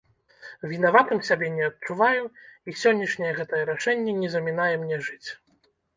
Вінаватым сябе не адчуваю і сённяшняе гэтае рашэнне не замінае мне жыць.